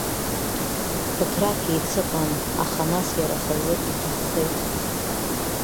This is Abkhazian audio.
Ԥыҭрак еицыҟан, аха нас иара хазы иҭаххеит.